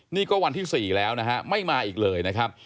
นี่ก็วันที่๔แล้วนะฮะไม่มาอีกเลยนะครับ